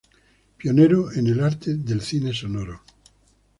Pionero en el arte del cine sonoro.